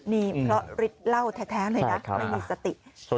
นี่เพราะริดเหล้าแท้เลยนะมีสติ